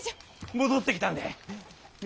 戻ってきたんだい。